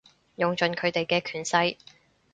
用盡佢哋嘅權勢